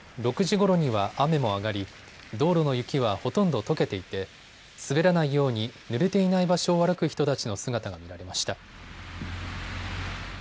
６時ごろには雨も上がり道路の雪はほとんどとけていて滑らないようにぬれていない場所を歩く人たちの姿が見られました。